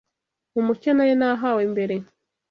Mu mucyo nari nahawe mbere